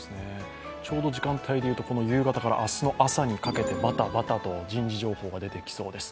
ちょうど時間帯でいうとこの夕方から明日の朝にかけてばたばたと人事情報が出ていきそうです。